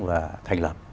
và thành lập